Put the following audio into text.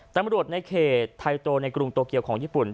ตำรวจในเขตไทโตในกรุงโตเกียวของญี่ปุ่น